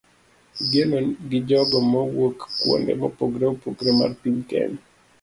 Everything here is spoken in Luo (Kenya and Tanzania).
Igeno gi jogo mawuok kuonde mopogore opogore mar piny Kenya